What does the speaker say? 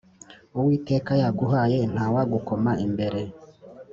Uwiteka yaguhaye ntawagukoma imbere